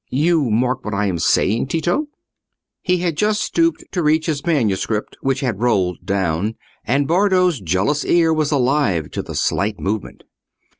You mark what I am saying, Tito?" He had just stooped to reach his manuscript, which had rolled down, and Bardo's jealous ear was alive to the slight movement.